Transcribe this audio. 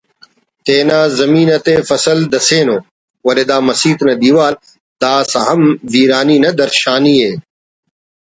تینا زمین تے فصل دسینو ولے دا مسیت نا دیوال داسہ ہم ویرانی نا درشانی